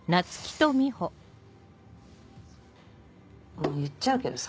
もう言っちゃうけどさ。